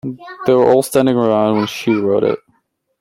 They were all standing around when she wrote it.